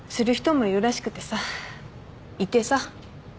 いてさ。